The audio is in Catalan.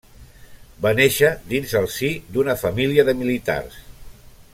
Va néixer dins el si d'una família de militars.